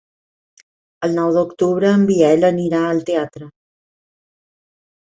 El nou d'octubre en Biel anirà al teatre.